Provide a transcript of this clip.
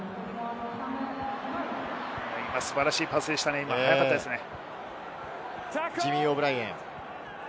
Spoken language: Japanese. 素晴らしいパスでしたね、速かったですね。